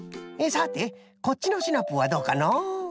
さてこっちのシナプーはどうかのう？